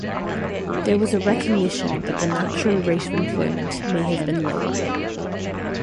There was a recognition that the "natural rate of unemployment" may have been lower